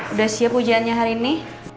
udah siap hujannya hari ini